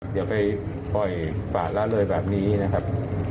เดี๋ยวไปปล่อยป่าละเลยแบบนี้นะครับ